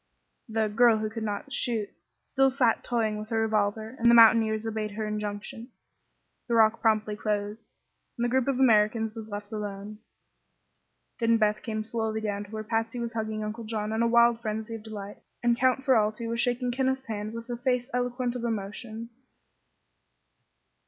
The "girl who could shoot" still sat toying with her revolver, and the mountaineers obeyed her injunction. The rock promptly closed, and the group of Americans was left alone. Then Beth came slowly down to where Patsy was hugging Uncle John in a wild frenzy of delight, and Count Ferralti was shaking Kenneth's hand with a face eloquent of emotion.